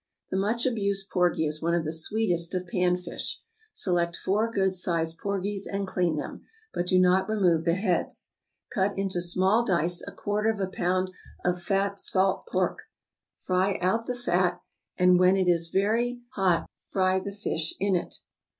= The much abused porgy is one of the sweetest of pan fish. Select four good sized porgies, and clean them, but do not remove the heads. Cut into small dice a quarter of a pound of fat salt pork, fry out the fat, and when it is very hot fry the fish in it.